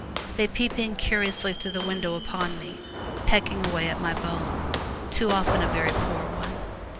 They peep in curiously through the window upon me, pecking away at my bone, too often a very poor one.